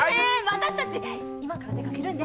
私たち今から出かけるんで。